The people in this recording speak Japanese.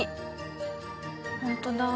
ホントだ。